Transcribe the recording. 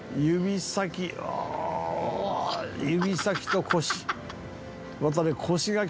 指先と腰。